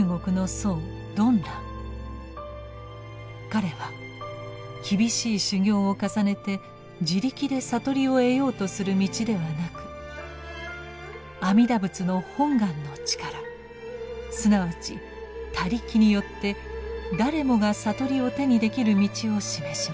彼は厳しい修行を重ねて自力で悟りを得ようとする道ではなく阿弥陀仏の本願の力すなわち「他力」によって誰もが悟りを手にできる道を示します。